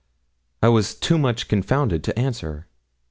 I was too much confounded to answer.